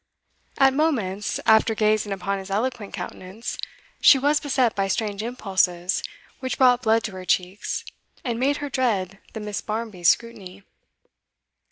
At moments, after gazing upon his eloquent countenance, she was beset by strange impulses which brought blood to her cheek, and made her dread the Miss. Barmbys' scrutiny.